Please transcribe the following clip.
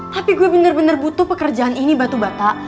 tapi gue bener bener butuh pekerjaan ini batu batak